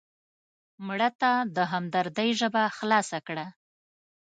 مړه ته د همدردۍ ژبه خلاصه کړه